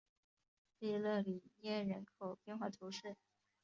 弗勒里涅人口变化图示